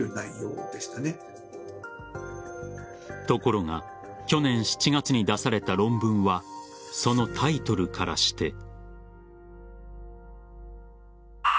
ところが去年７月に出された論文はそのタイトルからして。